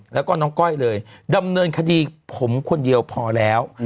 แล้วก็น้องก้อยเลยดำเนินคดีผมคนเดียวพอแล้ว